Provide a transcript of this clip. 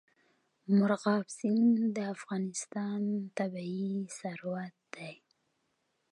مورغاب سیند د افغانستان طبعي ثروت دی.